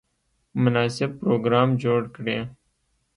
مناسب پروګرام جوړ کړي.